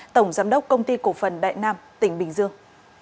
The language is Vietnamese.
tổng giám đốc công ty cổ phần đại nam tỉnh bình dương